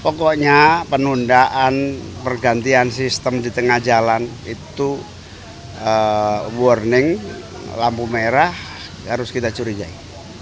pokoknya penundaan pergantian sistem di tengah jalan itu warning lampu merah harus kita curigai